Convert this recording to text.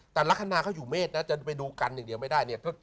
แต่ลักษณะเขาอยู่เมษนะจะไปดูกันอย่างเดียวไม่ได้เนี่ย